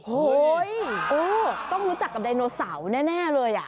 โอ้โหต้องรู้จักกับไดโนเสาร์แน่เลย